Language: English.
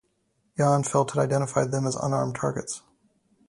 Yon felt it identified them as unarmed targets.